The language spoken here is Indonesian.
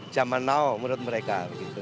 zaman now menurut mereka